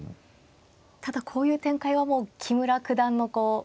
ただこういう展開はもう木村九段のこう。